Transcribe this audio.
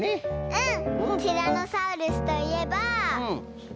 うん。